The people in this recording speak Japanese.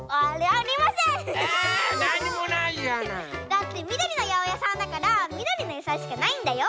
だってみどりのやおやさんだからみどりのやさいしかないんだよ。